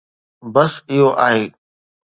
بس اهو آهي.